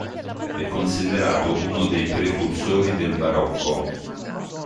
È considerato uno dei precursori del Barocco.